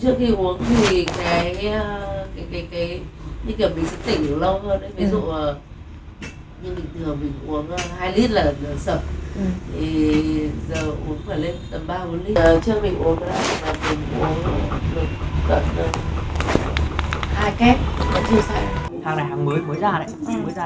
trước khi uống thì cái cái cái cái cái kiểu mình sẽ tỉnh được lâu hơn đấy ví dụ như bình thường mình uống hai lít là sập